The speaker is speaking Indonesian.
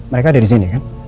mereka ada disini kan